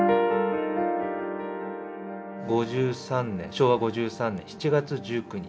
昭和５３年７月１９日。